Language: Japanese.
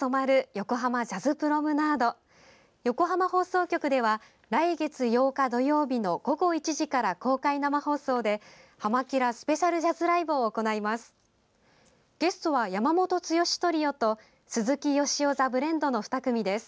横浜放送局では来月８日土曜日の午後１時から公開生放送で「はま☆キラ！スペシャルジャズライブ」を行います。